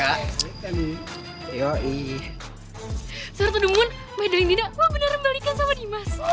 hai ini yoi serta demun medan ini bener bener balikan sama dimas